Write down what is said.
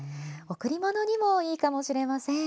贈り物にもいいかもしれません。